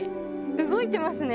動いてますね！